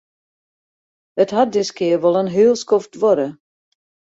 It hat diskear wol in heel skoft duorre.